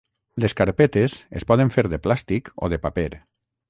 Les carpetes es poden fer de plàstic o de paper.